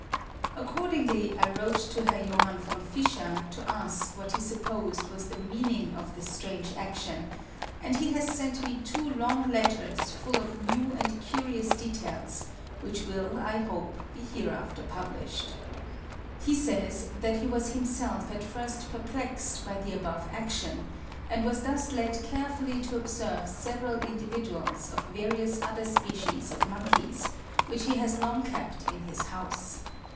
Accordingly I wrote to Herr J. von Fischer to ask what he supposed was the meaning of this strange action, and he has sent me two long letters full of new and curious details, which will, I hope, be hereafter published. He says that he was himself at first perplexed by the above action, and was thus led carefully to observe several individuals of various other species of monkeys, which he has long kept in his house.